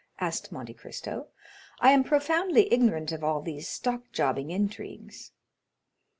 asked Monte Cristo. "I am profoundly ignorant of all these stock jobbing intrigues."